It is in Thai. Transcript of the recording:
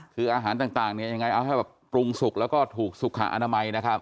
คืออาหารต่างเนี่ยยังไงเอาให้แบบปรุงสุกแล้วก็ถูกสุขอนามัยนะครับ